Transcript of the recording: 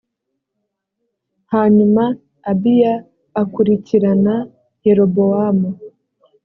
hanyuma abiya akurikirana yerobowamu